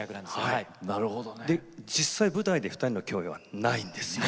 実際に舞台で２人の共演はないんです。